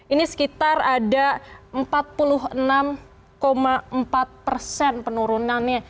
ini sekitar ada empat puluh enam empat persen penurunannya